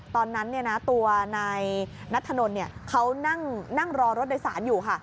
ตอนนั้นตัวในนัดถนนเขานั่งรอรถใดสารอยู่ค่ะ